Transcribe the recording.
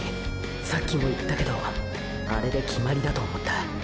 さっきも言ったけどあれで決まりだと思った。